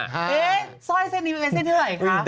เฮ้ซ่อยเส้นนี้เป็นเส้นที่ไหนครับโอ๊ยเกียรติ